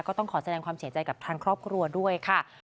ต้องขอแสดงความเสียใจกับทางครอบครัวด้วยค่ะ